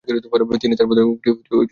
তিনি তাঁর পদকটি খোলেননি।